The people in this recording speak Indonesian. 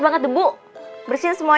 kan gak tahu disini apa "